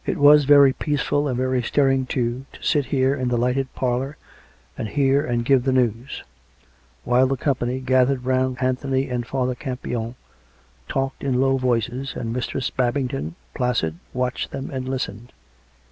It was very peaceful and very stirring, too, to sit here in the lighted parlour, and hear and give the news ; while the company, gathered round Anthony and Father Campion, talked in low voices, and Mistress Babington, placid, watched them and listened.